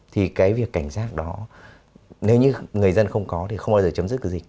thì cái việc cảnh giác đó nếu như người dân không có thì không bao giờ chấm dứt được dịch